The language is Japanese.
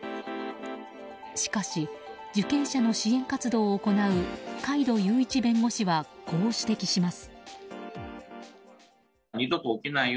しかし、受刑者の支援活動を行う海渡雄一弁護士はこう指摘します。